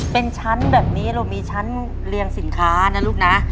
เป็นชั้นแบบนี้เรามีชั้นเรียงสินค้านะลูกนะ